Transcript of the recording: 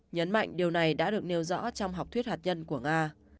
nhấn mạnh điều này đã được nêu rõ trong học thuyết hạt nhân của nga